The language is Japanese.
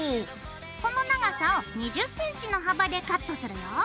この長さを２０ｃｍの幅でカットするよ。